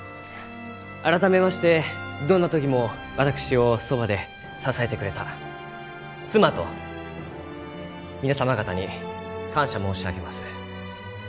改めましてどんな時も私をそばで支えてくれた妻と皆様方に感謝申し上げます。